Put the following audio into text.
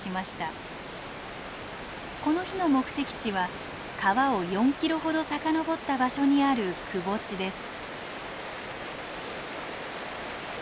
この日の目的地は川を４キロほど遡った場所にあるくぼ地です。